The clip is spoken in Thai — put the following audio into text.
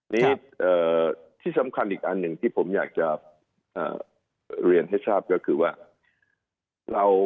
นี่ที่สำคัญอีกอันหนึ่งที่ผมอยากจะเรียนให้ทราบก็คือว่าเรา